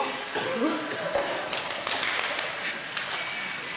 えっ？